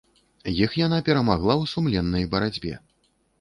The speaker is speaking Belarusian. Іх яна перамагла ў сумленнай барацьбе.